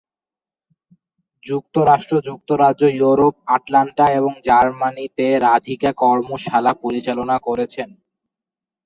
যুক্তরাষ্ট্র, যুক্তরাজ্য, Europe, Atlanta এবং জার্মানিতে রাধিকা কর্মশালা পরিচালনা করেছেন।